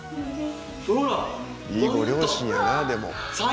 いいご両親やなでも。